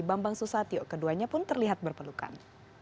bambang susatyo keduanya pun terlihat berpelukan